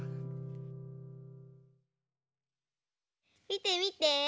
みてみて。